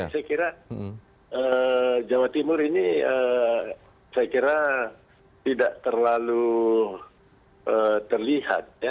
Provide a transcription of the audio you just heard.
jadi saya kira jawa timur ini saya kira tidak terlalu terlihat ya